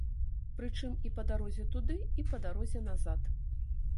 Прычым і па дарозе туды, і па дарозе назад.